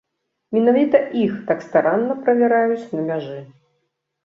Менавіта іх так старанна правяраюць на мяжы.